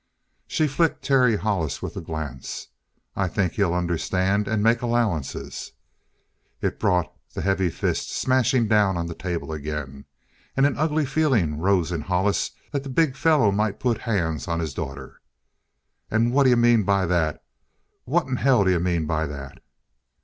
She flicked Terry Hollis with a glance. "I think he'll understand and make allowances." It brought the heavy fist smashing on the table again. And an ugly feeling rose in Hollis that the big fellow might put hands on his daughter. "And what d'you mean by that? What in hell d'you mean by that?"